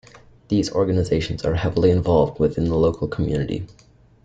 These organisations are heavily involved within the local community.